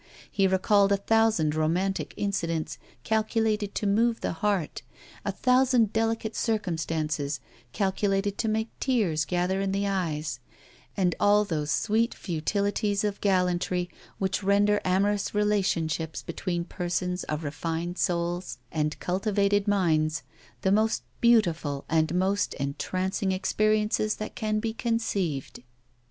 He recalled a thousand romantic incidents calculated to move the heart, a thousand delicate circumstances calculated to make tears gather in the eyes, and all those sweet futilities of gallantry which render amorous relationships between persons of refined souls and cultivated minds the most beautiful and most entrancing experiences that can be conceived.